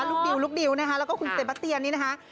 ลูกดิลแล้วก็คุณเดชปะเตียนนี่นะคะ